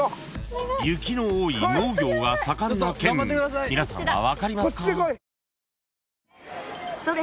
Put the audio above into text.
［雪の多い農業が盛んな県皆さんは分かりますか？］